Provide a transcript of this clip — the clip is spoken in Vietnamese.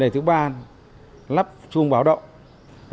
thứ ba là lắp chuông báo động